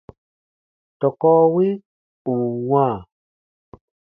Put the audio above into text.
Tɔkɔ wi ù n wãa,